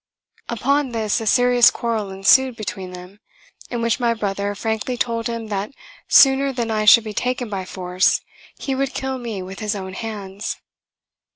Upon this a serious quarrel ensued between them, in which my brother frankly told him that sooner than I should be taken by force, he would kill me with his own hands!